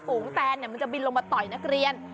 ฝูงแตนมันจะบินลงมาต่อยนักเรียน